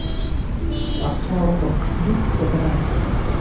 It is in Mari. — Пакча огыл — лӱп чодыра.